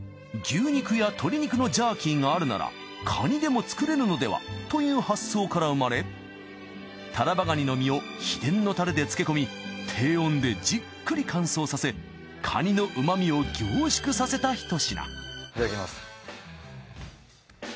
牛肉や鶏肉のジャーキーがあるならカニでも作れるのでは！？という発想から生まれタラバガニの身を秘伝のタレで漬け込み低温でじっくり乾燥させカニの旨味を凝縮させたひと品いただきます。